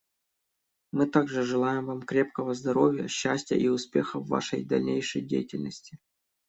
Мы также желаем Вам крепкого здоровья, счастья и успехов в Вашей дальнейшей деятельности.